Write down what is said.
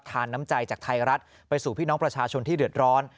น้ำใจจากไทยรัฐไปสู่พี่น้องประชาชนที่เดือดร้อน